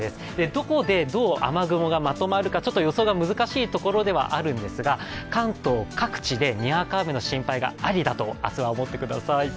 どこでどう雨雲がまとまるか、ちょっと予想が難しいところではあるんですが関東各地で、にわか雨の心配がありだと明日は思って下さい。